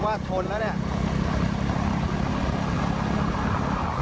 ว่าชนแล้วเนี่ย